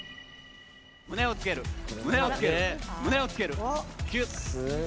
胸をつける、胸をつける胸をつける、９、１０。